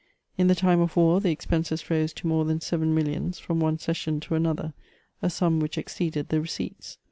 In the time of war the expenses rose to more than seven millions from one session to another, a sum which exceeded the receipts.